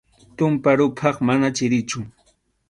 Tumpa ruphaq mana chirichu.